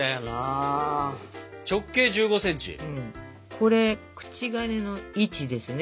これ口金の位置ですね。